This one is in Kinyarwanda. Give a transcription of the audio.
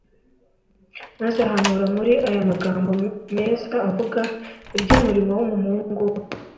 maze ahanura muri aya magambo meza avuga iby'umurimo w'umuhungu we